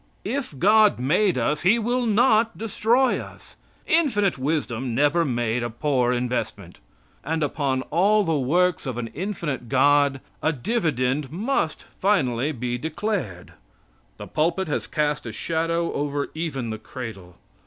If God made us, He will not destroy us. Infinite wisdom never made a poor investment. And upon all the works of an infinite God, a dividend must finally be declared. The pulpit has cast a shadow over even the cradle.